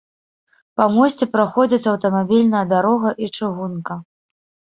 Па мосце праходзяць аўтамабільная дарога і чыгунка.